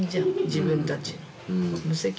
自分たちの。